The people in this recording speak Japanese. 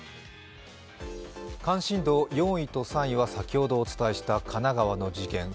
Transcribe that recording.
関心度４位と３位は先ほどお伝えした神奈川の事件